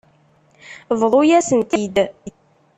Bḍu-yasen-t-id.